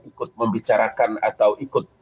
ikut membicarakan atau ikut